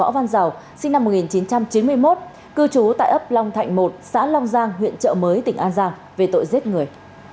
võ văn giàu sinh năm một nghìn chín trăm chín mươi một cư trú tại ấp long thạnh một xã long giang huyện trợ mới tỉnh an giang về tội giết người